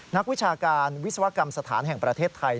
นักวิชาการวิศวกรรมสถานแห่งประเทศไทย